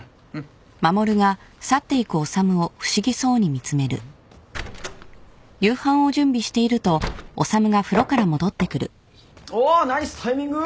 おナイスタイミング！